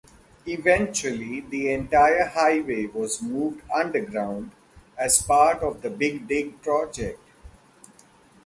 Eventually, the entire highway was moved underground as part of the Big Dig Project.